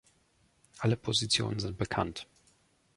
Alle Positionen sind bekannt.